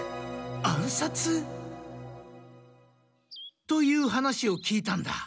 暗殺？という話を聞いたんだ。